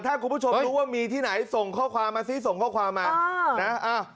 ถ้าคุณผู้ชมรู้ว่ามีที่ไหนส่งข้อความมาซิส่งข้อความมานะ